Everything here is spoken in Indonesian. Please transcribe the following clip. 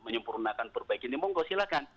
menyempurnakan perbaikan ini monggo silahkan